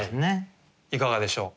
いかがでしょう？